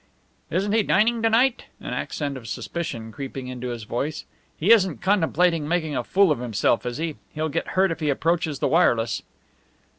"Isn't he dining to night?" an accent of suspicion creeping into his voice. "He isn't contemplating making a fool of himself, is he? He'll get hurt if he approaches the wireless."